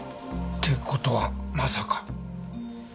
って事はまさか。